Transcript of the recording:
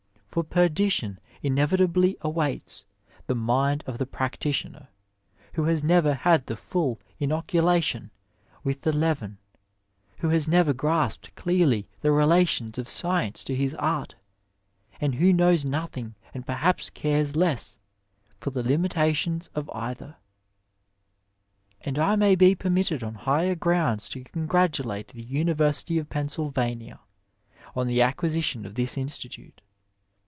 For perdition inevitably awaits the mind of the practi tioner who has never had the full inoculation with the leaven, who has never grasped (dearly the relations of science to his art, and who knows nothing, and perhaps cares less, for the limitations of either. And I may be permitted on higher grounds to congratu late the University of Pennsylvania on the acquisition of this Institute.